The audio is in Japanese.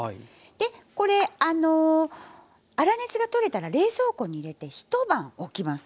でこれ粗熱が取れたら冷蔵庫に入れて一晩おきます。